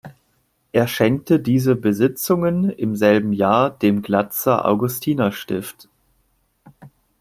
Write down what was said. Er schenkte diese Besitzungen im selben Jahr dem Glatzer Augustinerstift.